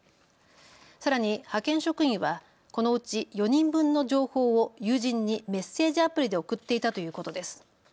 さらに派遣職員はこのうち４人分の情報を友人にメッセージアプリで送っていたということです。